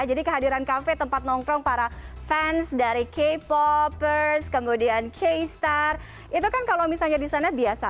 jadi kehadiran kafe tempat nongkrong para fans dari k popers kemudian k star itu kan kalau misalnya di sana biasa